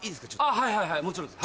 あっはいはいもちろんです。